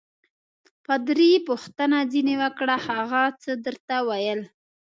پادري پوښتنه ځینې وکړه: هغه څه درته ویل؟